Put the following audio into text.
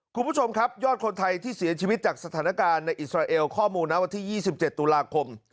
คุณผู้ชมครับยอดคนไทยที่เสียชีวิตจากสถานการณ์ในอิสราเอลข้อมูลนะวันที่๒๗ตุลาคม